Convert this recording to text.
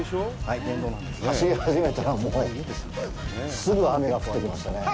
走り始めたら、もう、すぐ雨が降ってきましたね。